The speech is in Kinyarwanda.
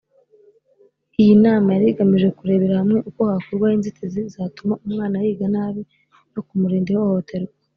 Iyi inama yari igamije kurebera hamwe uko hakurwaho inzitizi zatuma umwana yiga nabi no kumurinda ihohoterwa